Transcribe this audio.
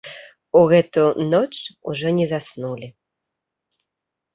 У гэту ноч ужо не заснулі.